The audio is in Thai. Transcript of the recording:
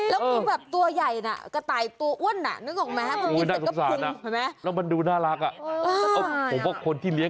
เออแต่นี่กินกระต่ายโอ้ยเออ